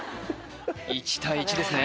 １対１ですね